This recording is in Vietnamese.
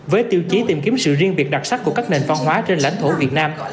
với tiêu chí tìm kiếm sự riêng biệt đặc sắc của các nền văn hóa trên lãnh thổ việt nam